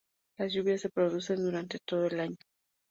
Las lluvias se producen durante todo el año.